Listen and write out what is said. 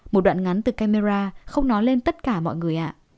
một đoạn ngắn từ camera không nói lên tất cả mọi người ạ